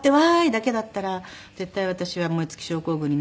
だけだったら絶対私は燃え尽き症候群になってしまうなと思って。